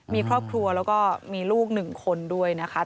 มีครอบครัวแล้วก็มีลูก๑คนด้วยนะคะ